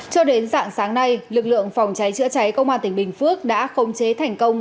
cho đến dạng sáng nay lực lượng phòng cháy chữa cháy công an tỉnh bình phước đã khống chế thành công